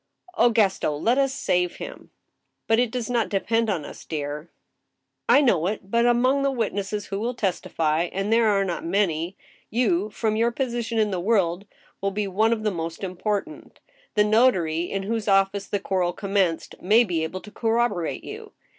Oh, Gaston I let us save him !"" But it does not depend on us, dear." " I know it ; but among the witnesses who will testify (and there are not many), you, from your position in the world, will be one of the most important The notary, in whose office the quarrel com menced, may be able to corroborate you.